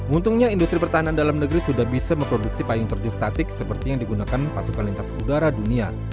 untungnya industri pertahanan dalam negeri sudah bisa memproduksi payung terjun statik seperti yang digunakan pasukan lintas udara dunia